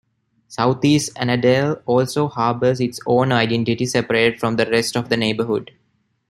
Southeast Annadale also harbors its own identity separate from the rest of the neighborhood.